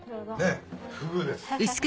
フグです。